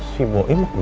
si boim kemana ya